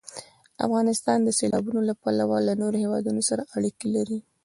افغانستان د سیلابونه له پلوه له نورو هېوادونو سره اړیکې لري.